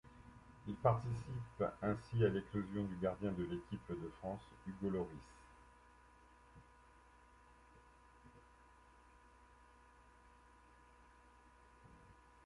Il participe ainsi à l'éclosion du gardien de l'équipe de France, Hugo Lloris.